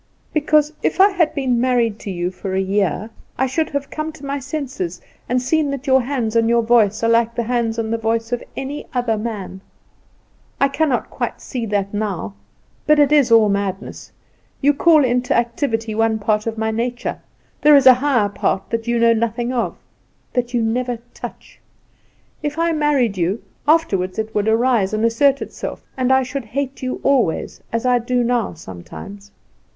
"Because, if I had been married to you for a year I should have come to my senses and seen that your hands and your voice are like the hands and the voice of any other man. I cannot quite see that now. But it is all madness. You call into activity one part of my nature; there is a higher part that you know nothing of, that you never touch. If I married you, afterward it would arise and assert itself, and I should hate you always, as I do now sometimes."